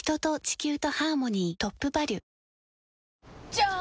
じゃーん！